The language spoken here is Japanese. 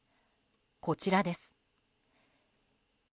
こちらです。